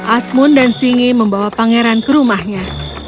asmun dan singi membawa pangeran ke rumahnya